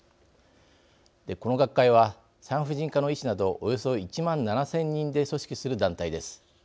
この学会は産婦人科の医師などおよそ１万７０００人で組織する団体です。